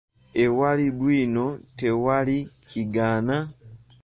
Ewali bwino tewali kigaana.